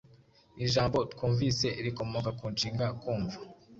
Ijambo “twumvise” rikomoka ku nshinga “kumva”